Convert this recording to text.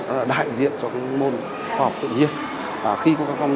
nó là đại diện cho những môn khoa học tự nhiên